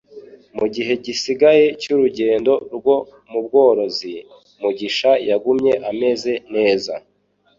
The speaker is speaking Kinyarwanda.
Mugihe gisigaye cyurugendo rwo mu bworozi, Mugisha yagumye ameze neza.